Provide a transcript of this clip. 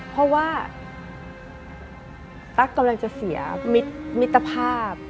เพราะว่าตั๊กกำลังจะเสียมิตรภาพ